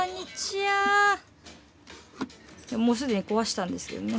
もう既に壊したんですけどね。